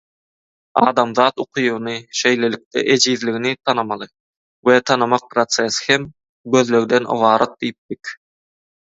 Adamzat ukybyny, şeýlelikde ejizligini tanamaly we tanamak prosesi hem gözlegden ybarat diýipdik.